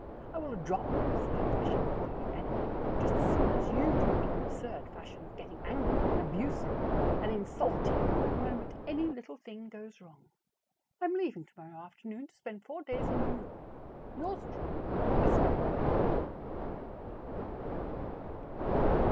I will drop my absurd fashion of calling you Enemy just as soon as you drop your absurd fashion of getting angry and abusive and insulting the moment any little thing goes wrong. I am leaving tomorrow afternoon to spend four days in New York. Yours truly, S. McBRIDE.